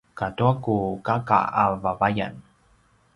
katua ku kaka a vavayan